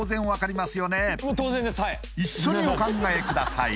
一緒にお考えください